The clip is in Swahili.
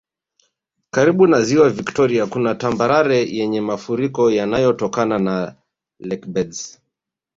Karibu na Ziwa Viktoria kuna tambarare yenye mafuriko yaliyotokana na lakebeds